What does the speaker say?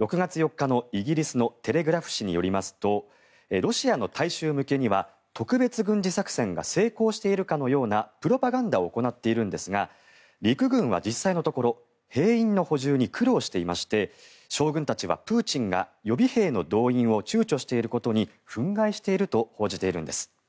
６月４日のイギリスのテレグラフ紙によりますとロシアの大衆向けには特別軍事作戦が成功しているかのようなプロパガンダを行っているんですが陸軍は実際のところ兵員の補充に苦労していまして将軍たちは、プーチンが予備兵の動員を躊躇していることに憤慨していると報じているんです。